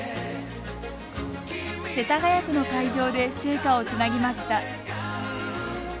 世田谷区の会場で聖火をつなぎました。